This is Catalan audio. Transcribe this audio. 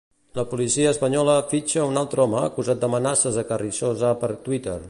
La policia espanyola fitxa un altre home acusat d'amenaces a Carrizosa per Twitter.